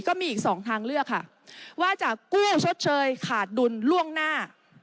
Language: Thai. ก็มีอีกสองทางเลือกค่ะว่าจะกู้ชดเชยขาดดุลล่วงหน้า